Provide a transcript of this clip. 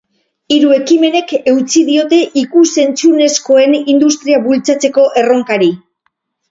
Hiru ekimenek eutsi diote ikus-entzunezkoen industria bultzatzeko erronkari.